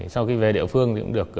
sau khi về địa phương